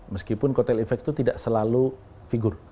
meskipun kotel efek itu tidak selalu figur